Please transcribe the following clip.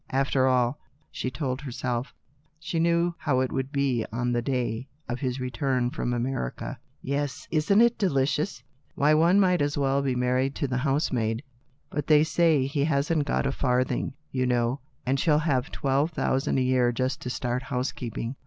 After all, she told herself, she knew how it would be on the day of his return from America. " Yes ; isn't it delicious ? Why, one might as well be married to a housemaid. But they say he hasn't got a farthing, you know. She'll have twelve thousand a year just to start housekeeping.